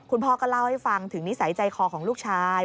คุณพ่อก็เล่าให้ฟังถึงนิสัยใจคอของลูกชาย